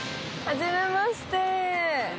はじめまして。